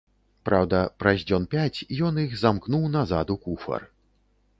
Праўда, праз дзён пяць ён іх замкнуў назад у куфар.